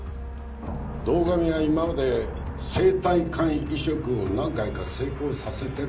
堂上が今まで生体肝移植を何回か成功させてるのは知ってる。